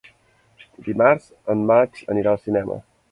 Dimarts en Max anirà al cinema.